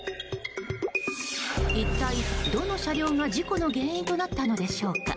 一体どの車両が、事故の原因となったのでしょうか。